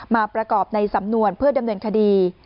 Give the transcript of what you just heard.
มาประกอบในสำนวนเพื่อดำเนินคดี